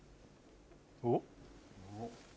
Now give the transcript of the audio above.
おっ？